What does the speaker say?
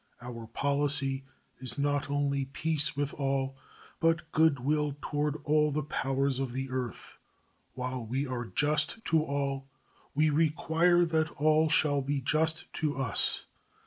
Our policy is not only peace with all, but good will toward all the powers of the earth. While we are just to all, we require that all shall be just to us.